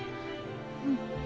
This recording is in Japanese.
うん。